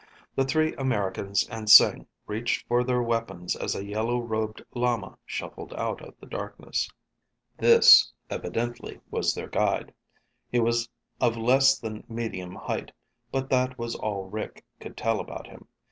The three Americans and Sing reached for their weapons as a yellow robed lama shuffled out of the darkness. This, evidently, was their guide. He was of less than medium height, but that was all Rick could tell about him.